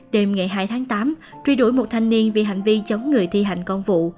đêm ngày hai tháng tám truy đuổi một thanh niên vì hành vi chống người thi hành công vụ